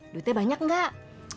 duitnya banyak gak